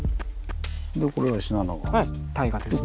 これは信濃川ですね。